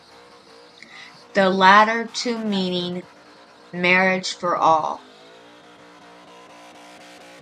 The latter two meaning "marriage for all".